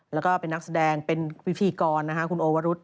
แล้วก็เป็นนักแสดงเป็นพิธีกรคุณโอวรุธ